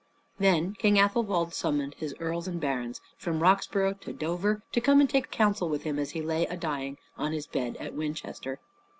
Then King Athelwold summoned his earls and barons, from Roxborough to Dover, to come and take counsel with him as he lay a dying on his bed at Winchester.